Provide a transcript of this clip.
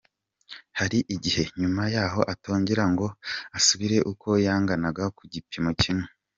Hari igihe nyuma yaho atongera ngo asubire uko yanganaga ku gipimo kimwe.